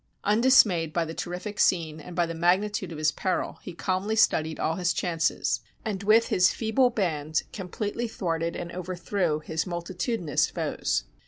Undismayed by the terrific scene and by the magnitude of his peril, he calmly studied all his chances, and, with his feeble band, completely thwarted and overthrew his multitudinous foes.